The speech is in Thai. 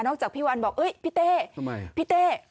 นอกจากพี่วันบอกพี่เต้